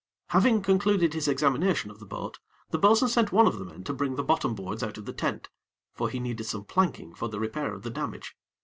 Having concluded his examination of the boat, the bo'sun sent one of the men to bring the bottom boards out of the tent; for he needed some planking for the repair of the damage.